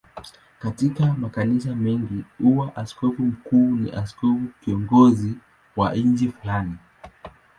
Katika makanisa mengine huwa askofu mkuu ni askofu kiongozi wa nchi fulani.